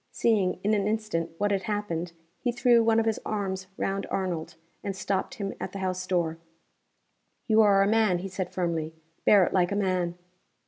Seeing in an instant what had happened, he threw one of his arms round Arnold, and stopped him at the house door. "You are a man," he said, firmly. "Bear it like a man."